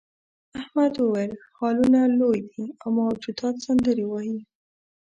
احمد وویل هالونه لوی دي او موجودات سندرې وايي.